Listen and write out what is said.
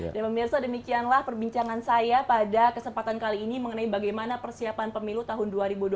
dan pemirsa demikianlah perbincangan saya pada kesempatan kali ini mengenai bagaimana persiapan pemilu tahun dua ribu dua puluh empat